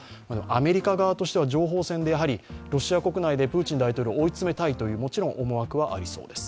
アメリカ側としては情報戦でやはりロシア国内でプーチン大統領を追い詰めたいというもちろん思惑はありそうです。